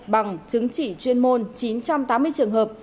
bằng chứng chỉ chuyên môn chín trăm tám mươi trường hợp